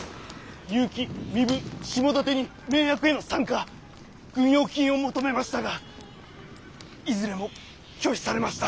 結城壬生下館に盟約への参加軍用金を求めましたがいずれも拒否されました。